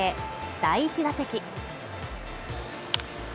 第１打席。